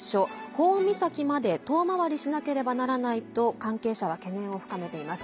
ホーン岬まで遠回りしなければならないと関係者は懸念を深めています。